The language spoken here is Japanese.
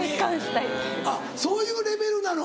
あっそういうレベルなの。